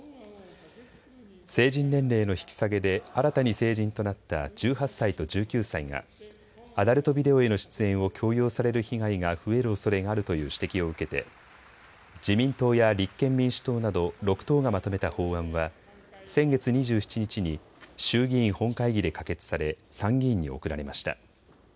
成人年齢の引き下げで新たに成人となった１８歳と１９歳がアダルトビデオへの出演を強要される被害が増えるおそれがあるという指摘を受けて自民党や立憲民主党など６党がまとめた法案は先月２７日に衆議院本会議で可決され参議院に送られました。